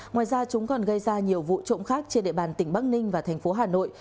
ngoài ra chúng còn gây ra nhiều vụ trộm khác trên địa bàn tỉnh bắc ninh và thành phố hà nội